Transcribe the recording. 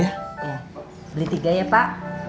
ya beli tiga ya pak